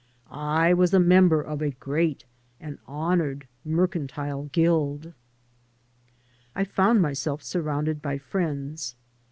I was a member of a great and honored mercantile guild. I found myself surrounded by friends.